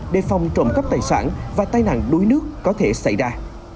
đề phòng trộm cắp tài sản và tai nạn đuối nước có thể xảy ra